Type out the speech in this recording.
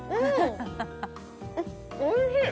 おいしい！